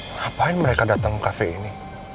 ngapain mereka datang cafe ini